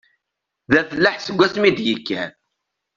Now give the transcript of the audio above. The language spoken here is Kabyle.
D afellaḥ seg wasmi i d-yekker.